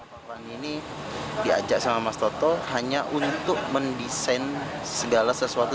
karena fani ini diajak sama mas toto hanya untuk mendesain segala sesuatu